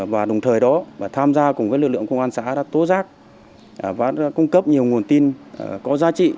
và đồng thời đó tham gia cùng với lực lượng công an xã đã tố giác và cung cấp nhiều nguồn tin có giá trị